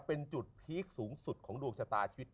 เป็นจุดพีคสูงสุดของดวงชะตาชีวิต